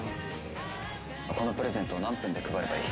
このプレゼントを何分で配ればいい？